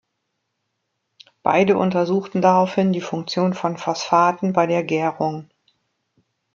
Beide untersuchten daraufhin die Funktion von Phosphaten bei der Gärung.